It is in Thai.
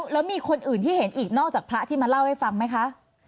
แล้วมีคนอื่นที่เห็นอีกนอกจากพระที่มาเล่าให้ฟังไหมคะ